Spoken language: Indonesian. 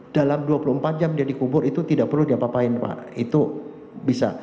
dalam dua puluh empat jam dia dikubur itu tidak perlu diapa apain pak itu bisa